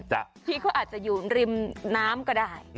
พี่ก็อาจจะอยู่ริมน้ำก็ได้